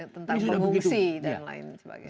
tentang pengungsi dan lain sebagainya